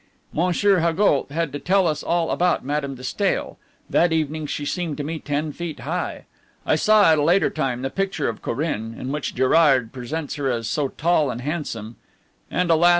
Monsieur Haugoult had to tell us all about Madame de Stael; that evening she seemed to me ten feet high; I saw at a later time the picture of Corinne, in which Gerard represents her as so tall and handsome; and, alas!